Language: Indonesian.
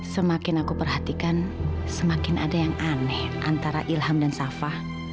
semakin aku perhatikan semakin ada yang aneh antara ilham dan safa